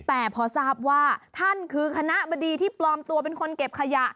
แต่พอทราบว่าท่านคือคณะบดีที่ปลอมตัวเป็นคนเก็บขยะ